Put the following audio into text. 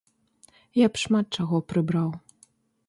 Я б шмат чаго прыбраў.